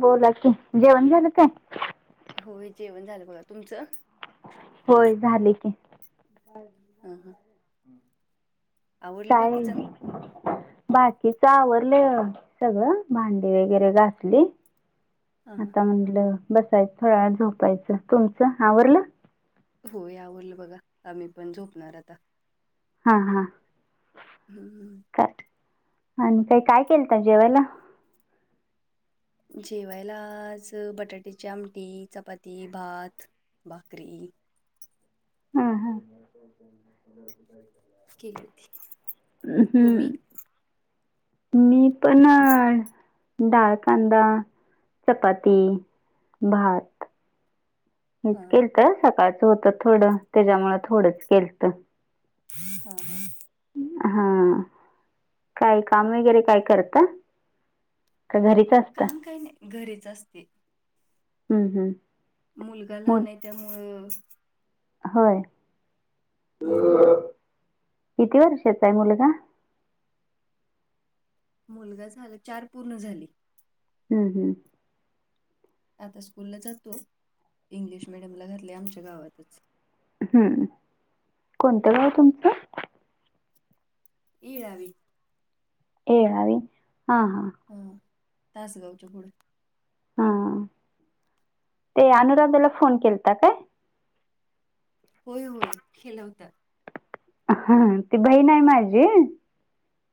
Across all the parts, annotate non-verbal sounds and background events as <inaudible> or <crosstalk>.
बोला की. जेवण झालं काय? होय जेवण झालं बघा. तुमचं? होय झालंय की. हा हा. काय नाही. <inaudible> बाकीच आवरलं सगळं भांडी वगैरे घासली. हां हां आता म्हटलं बसायचं थोड्या वेळ झोपायचं तुमचं आवरलं. हो आवरलं बघा आम्ही पण झोपणार आता. हा हा. हम्म. का आणि काही काय केलता जेवायला? जेवायला आज बटाट्याची आमटी, चपाती, भात. भाकरी हा हा. केली होती तुम्ही हम्म. मी पण डाळ कांदा चपाती, भात. मीच हां केलता सकाळचं होतं थोडं त्याच्यामुळें थोडंच केलतं. हा. हा काय काम वगैरे काय करता? का घरीच अ काम काही नाही घरीच असते. हम्म हम्म. मुलगा लहान आहे त्यामुळं होय? हम्म. किती वर्षाचा आहे मुलगा? मुलगा झाला चार पूर्ण झाली. हम्म हम्म. आता स्कूलला जातो. इंग्लिश मिडियमला घातलय आमच्या गावातच. हम्म. कोणतं गाव तुमचं? इड यावी येळावी हा हा. हा तासगावच्या पुढं. हा. ते अनुराग त्याला फोन केलता काय? होय होय केलावता. हा ती बहीण आहे माझी.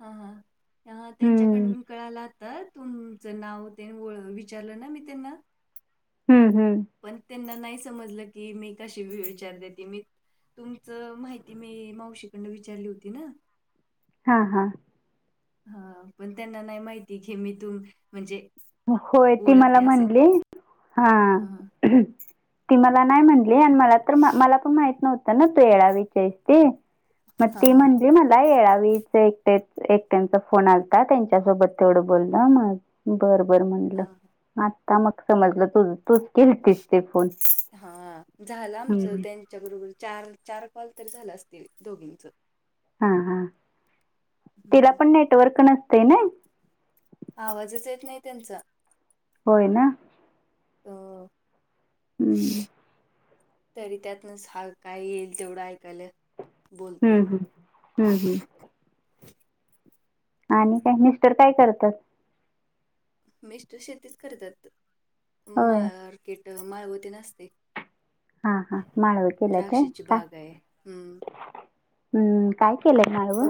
हा हा हं. त्यांच्याकडवून कळाला तर तुमचं नाव तेन विचारलं ना मी त्यांना. हम्म हम्म. पण त्यांना नाही समजलं की मी कशी विचारते ते मी तुमचं माहिती मी मावशीकडनं विचारली होती ना. हा हा. हा पण त्यांना नाही माहिती की मी तुम म्हणजे होय ती मला ओळखते असं. म्हणली. हा हां, ती मला नाही म्हण मला तर मला पण माहिती नव्हतं ना तू येळावीच आहेस ती, मग हां, ती हां. म्हंटली मल नाही यावेळी ते एकटे एकट्यांचा फोन आलता त्यांच्यासोबत तेवढं बोललं. मग बर बर म्हंटलं हां, आता मग समजलं तु तूच केलतीस ते फोन. हा झालं आमच. हम्म. त्यां तुमच्या बरोबर चार चार कॉल तर झाले असतील दोघींच. हा हा तिला हं. पण नेटवर्क नसते ना. आवाजच येत नाही त्यांचा. होय ना. अ, हम्म. तरी त्यातनच हा काय येईल तेवढं ऐकालं. हम्म हम्म हम्म हम्म. आणि काय मिस्टर काय करत्यात? मिस्टर शेतीच करत्यात. होय मार्केट माळव तेन असतंय. हा हा. माळव केल्यात होय? द्राक्षाची का बाग आहे. हम्म. हम्म काय केलंय माळव?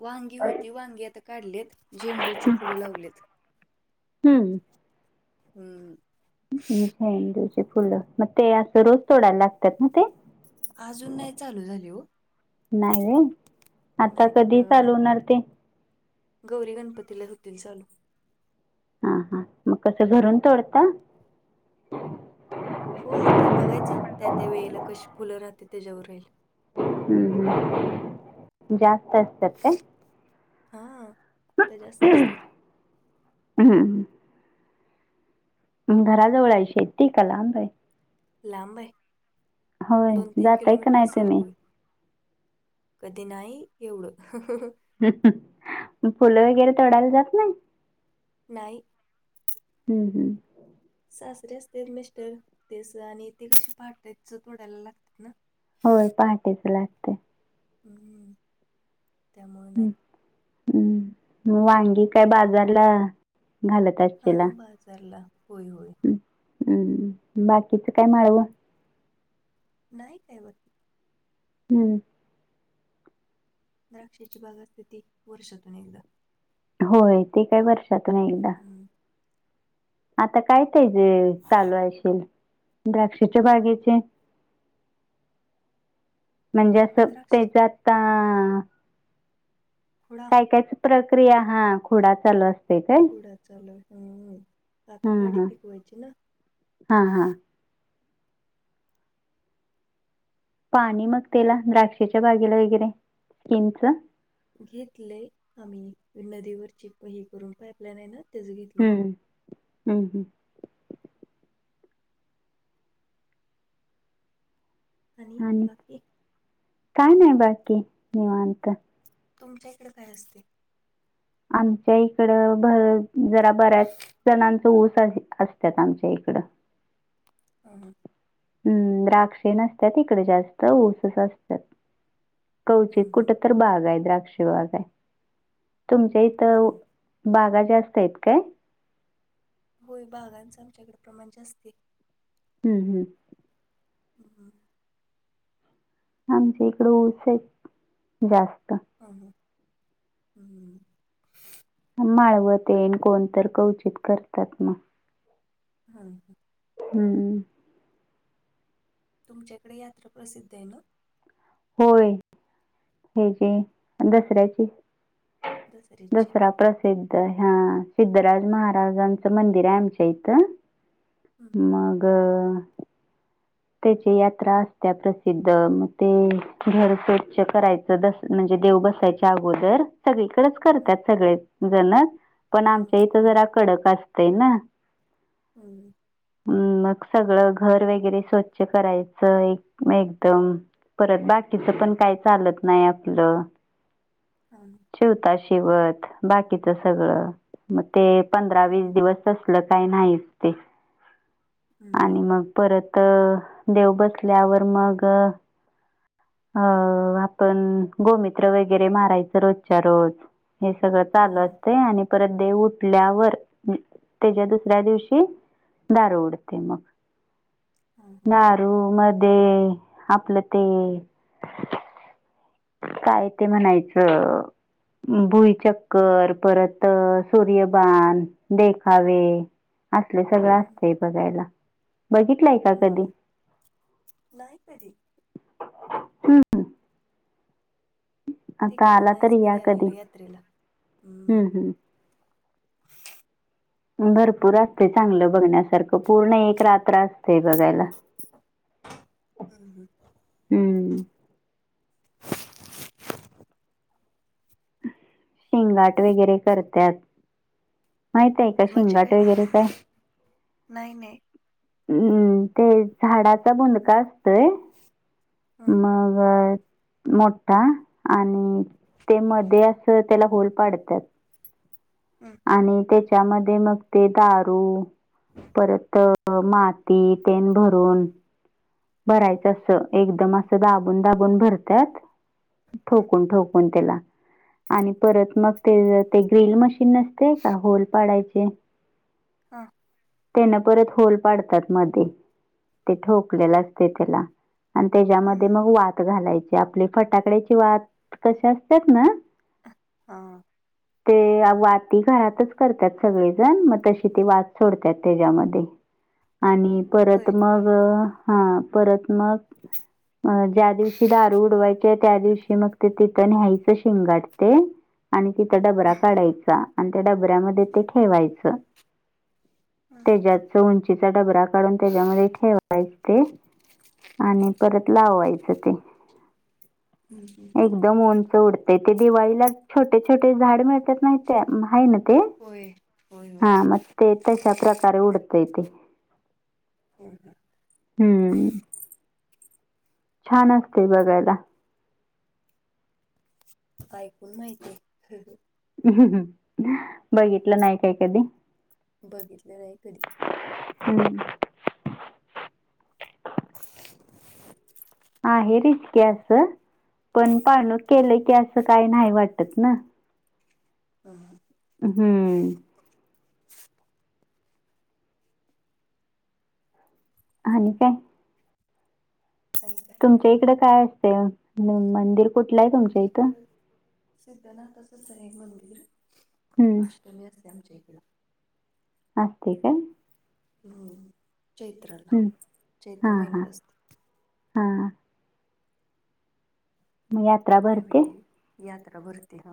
वांगी होती वांगी आता काढलेत, झेंडूची फुलं लावलेत. हम्म. हम्म. झेंडूचे फुलं मग ते असं रोज तोडायला लागतात ना ते अजून नाही चालू झाले हो. नाही व्हय आता नाही अ कधी चालू आत- होणार ते? गौरी गणपतीला होतील चालू. हा हा मग कसं घरून तोडता. हो आता बघायचं त्या त्या वेळेला कशी फुलं राहते त्याच्यावर राहील. हम्म हम् जास्त असत्यात काय? हा आता जास्त असते. हम्म. घराजवळ आहे शेती का लांब आहे. लांब आहे होय दोन तीन जाताय का किलोमीटर नाही असेल तुम्ही होय. कधी नाही एवढं. मग फुलं वगैरे तोडायला जात नाही? नाही. हम् हम्. सासरे असते मिस्टर तेच आणि ते पाहाठायच थोडायला लागतंय ना. होय पहाटेच लागते. हम्म हम्म त्यामुळे नाही. हम् मग वांगी काय बाजारला घालत हां, बाजारला. होय, होय. हम्म बाकीचं काय माळवं? न हम्म. द्राक्षाची बाग असते ती वर्षातून एकदा होय ते काय वर्षातून एकदा. हम्म, आता काय त्याजे चालू आहे अशील द्राक्षच्या बागेचे. म्हणजे असं द्राक्ष त्याचे आता खुळा. काय कायच ती प्रक्रिया हा खुडा चालू असतो. खुडा चालू हा आता हा काडी हा पिकवायची ना. हा हा. पाणी मग त्याला द्राक्षच्या बागेला वगैरे स्कीमच. घेतलय आम्ही नदीवरची ही करून पाईप लाईन हय ना. त्याचं घेतले. हम्म हम्म हम्म हम्म. आणि बाकी? काय नाही बाकी निवांत. तुमच्या इकडे काय असतय. आमच्या इकड जरा बऱ्याच जणांचं ऊसाची असतात आमच्या इकडं. हा हा. हम्म द्राक्षे नसतात इकडे जास्त ऊसच असतात. कौचित हं, हं, कुठ तर बाग आहे द्राक्ष बाग आहे तुमच्या इथ हं. बागा जास्त आहेत काय? होय बागांचं आमच्याकडे प्रमाण जास्त आहे. हम् हम्. हम हम आमच्या इकडं ऊस आहे जास्त. हा हा, हम्म हम्म हम्म माळवत येन कोणत कवचित करतात मग ह, ह हम्म तुमच्याकडे यात्रा प्रसिद्ध आहे ना. होय होय काय? दसऱ्याची. दसऱ्याची? दसरा प्रश्न. सिद्ध सिद्धराज महाराजांचं मंदिर आहे आमच्या इथं हं, मग. त्याची यात्रा असत्या प्रसिद्ध मग ते घर स्वच्छ करायचं, म्हणजे देव बसायच्या अगोदर सगळी. च हं. करतात सगळे जण पण आमच्या इथ जरा कडक असत ना हम्म हम्म मग सगळं घर वगैरे स्वच्छ करायचं एक एकदम परत बाकीच पण काय चालत नाही आपलं ह, ह शिवता शिवत बाकीच, सगळं मग ते पंधरा वीस दिवस. तसल काही नाहीच, ते आणि मग. परत देव बसल्यावर मग अ आपण गोमित्र वगैरे, मारायचं रोजच्या रोज. हे सगळं चालू असतंय आणि परत देव उठल्यावर त्याच्या दुसऱ्या दिवशी दार ओढते मग दारू मध्ये आपलं ते काय ते म्हणायचं भुईचक्कर परत सूर्यबान देखावे असले सगळं हं, हं, असतय, बघायला बघितलंय का हं, कधी. हं. नाही तरी. हं, आता तिकडे आला नाहीच तरी या कधी आलेलो यात्रेला हं, हम्म, हम्म भरपूर असते, चांगलं बघण्यासारखं त पूर्ण एक, रात्र असते जगायला. हं. हम्म. शेंगाट वगैरे करत्यात माहित आहे, का म्हणजे शेंगाट काय वगैरे काय. नाही, नाही हम्म तो झाडाचा बुंदका असतोय हं, मग अ मोठा आणि ते मधे असंत, त्याला होल पाडतात. हम्म. आणि त्याच्यामध्ये मग ते दारू परत माती चेन भरून भरायचं अस एकदम असं दाबून, दाबून भरत्यात हं, ठोकून, ठोकून पण तेला आणि परत मग ते ते ग्रील मशीन नसते, का होल पाडायचे. आ. त्यांना परत होल पाडतात मध्ये ते ठोकलेलं असतय त्याला आणि हं, त्याच्यामध्ये हं, मग वात घालायची आपली फटाकड्याची वात कसे असतेत ना ह ते वाती घरातच करतात सगळेजण मग तशी ते वात सोडतात त्याच्यामध्ये आणि होय परत मग हा, परत मग ज्या दिवशी दारू उडवायची. त्या दिवशी मग ते, तिथे न्यायचं शिंगाट ते. आणि तिथं डबरा काढायचा आणि त्या डबऱ्यामध्ये ते ठेवायचं त्याच्याच उंचीचा डबरा काढून त्याच्यामध्ये ठेवायच, ते. आणि परत लाववायचं ते. हम् ह. एकदम उडते ते, दिवाळीला छोटे छोटे झाड मिळतात नाहीत आहे ना. होय होय होय हा मे तश प्रकार उडतते. <unintelligible> हम्म. छान असते बघायला. ऐकून माहिती. हम् बघितलं नाही काय कधी? बघितलेलं आहे कधीच. हम्म. आहे रिचके असं, पण हं, पाणू केलं की असं काही नाही वाटत ना. हम. हम्म. आणि काय? आणि काय नाही तुमच्या बघा इकडे काय असते? मंदिर कुठलं आहे तुमच इकड सिद्धनाथ असं जईब मंदिर. हं. तम्यवसम जेकलं. असस्ते काय? हम्म चैत्रला, हं. चैत्र मेनत असते. हा हा. मग यात्रा भरते? त्यावेळी यात्रा भरते हा!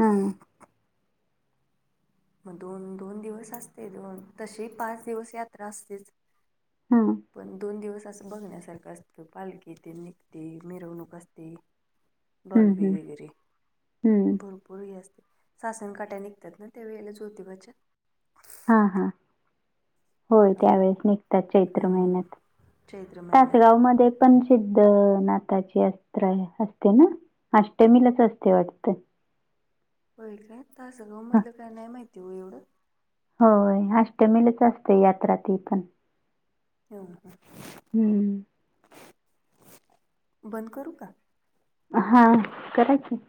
हा. मग दोन दोन दिवस असते, दोन तशी पाच दिवस यात्रा असतेच. हां. पण दोन दिवस. बघण्यासारखं असतं, पालखी ते निघते मिरवणूक असते. हं, डॉलबी हं. वगैरे हं. बर परळी असते, सासणकाट्या निघतात ना त्या वळेला ज्योतिबाच्या? हा हा. होय त्यामुळं त्यावेेळेस निघतात चैत्र हम्म, महिन्यात, चैत्र महिन्यात तासगाव मध्ये पण सिद्ध नाथची असस्त्र असते ना, अष्टमीलाच असते वाटतं. होय काय? तासगाव ह मधलं काय नाही माहिती हो एवढं. होय अष्टमीलच असते यात्रा त पण. हो हं बंद करू का? हा करायची!